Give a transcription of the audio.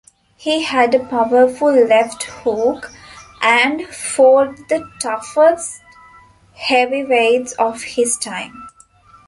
He had a powerful left hook, and fought the toughest heavyweights of his time.